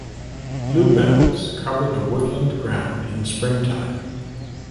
Bluebells cover the woodland ground in springtime.